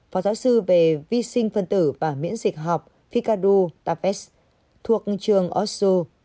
phó giáo sư về vi sinh phân tử và miễn dịch học fikadu tapest thuộc trường osu